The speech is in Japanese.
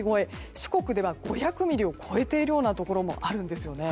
四国では５００ミリを超えているようなところもあるんですよね。